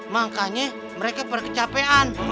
makanya mereka perkecapean